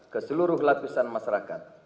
ke seluruh lapisan masyarakat